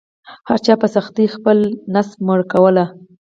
هر چا په سختۍ خپله ګیډه مړه کوله.